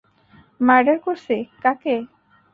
Murder করছি -কাকে?